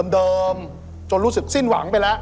เดิมจนรู้สึกสิ้นหวังไปแล้ว